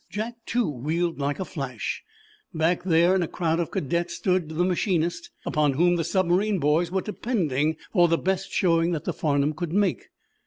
Jack, too, wheeled like a flash. Back there in a crowd of cadets stood the machinist upon whom the submarine boys were depending for the best showing that the "Farnum" could make.